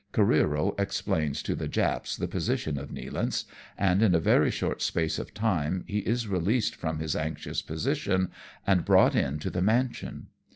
Careero explains to the Japs the position of Nealance, and in a very short space of time he is released from his anxious positioUj and brought in to the mansion.